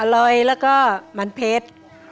อร่อยแล้วก็มันเพชร